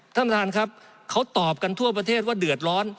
ท่านประธานครับเขาตอบกันทั่วประเทศว่าเดือดร้อน